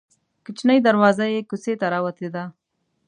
کوچنۍ دروازه یې کوڅې ته راوتې ده.